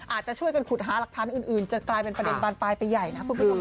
อาจจะช่วยกันขุดหาหลักฐานอื่นจะกลายเป็นประเด็นบานปลายไปใหญ่นะคุณผู้ชม